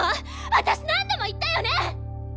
私何度も言ったよね？